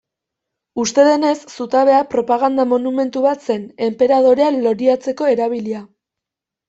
Uste denez, zutabea, propaganda monumentu bat zen, enperadorea loriatzeko erabilia.